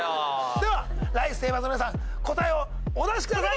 ではライフセイバーズの皆さん答えをお出しください